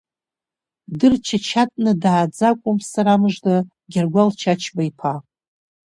Дырчачатны дааӡа акәым, сара мыжда, Гьаргәал Чачба иԥа…